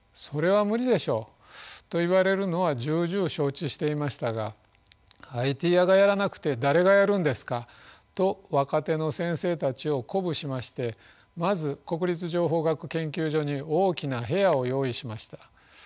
それは無理でしょうと言われるのは重々承知していましたがＩＴ屋がやらなくて誰がやるんですかと若手の先生たちを鼓舞しましてまず国立情報学研究所に大きな部屋を用意しました。